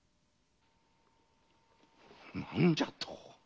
何じゃと！